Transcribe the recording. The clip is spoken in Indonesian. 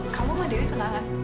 kamu mau dewi tunangan